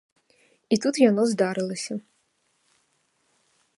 І тут яно здарылася.